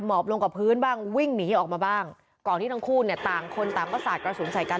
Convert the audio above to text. หมอบลงกับพื้นบ้างวิ่งหนีออกมาบ้างก่อนที่ทั้งคู่เนี่ยต่างคนต่างก็สาดกระสุนใส่กัน